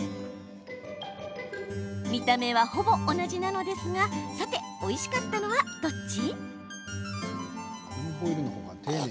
見た目はほぼ同じなのですがさておいしかったのはどっち？